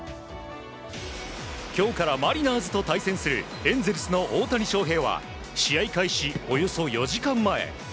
今日からマリナーズと対戦するエンゼルスの大谷翔平は試合開始およそ４時間前。